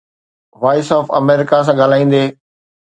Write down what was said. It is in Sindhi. وائس آف آمريڪا سان ڳالهائيندي